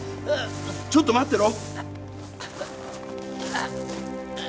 ちょっと待ってろ。